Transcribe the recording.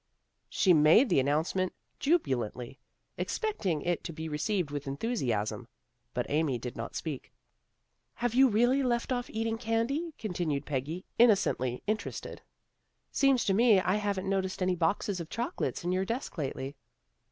She made the announcement jubilantly, expecting it to be received with enthusiasm, but Amy did not speak. AMY IS DISILLUSIONED 301 " Have you really left off eating candy? " continued Peggy, innocently interested. " Seems to me I haven't noticed any boxes of chocolates in your desk lately."